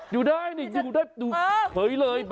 อยู่ได้อยู่ได้อยู่เคยเลย